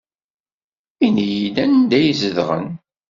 Ini-iyi-d anda ay zedɣen.